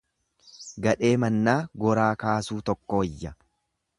Gadhee mannaa goraa kaasuu tokko wayya.